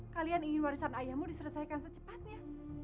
kalian ingin warisan ayahmu diselesaikan secepatnya